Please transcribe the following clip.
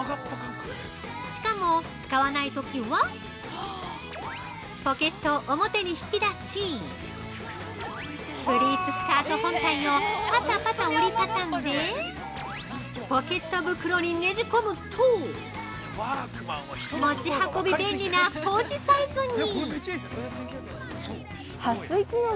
◆しかも、使わないときはポケットを表に引き出しプリーツスカート本体をパタパタ折りたたんでポケット袋にねじ込むと持ち運び便利なポーチサイズに。